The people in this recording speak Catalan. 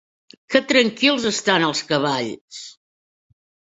Que tranquils estan els cavalls!